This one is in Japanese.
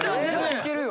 いけるよ！